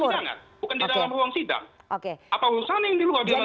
bukan di dalam ruang sidang apa urusan yang dilakukan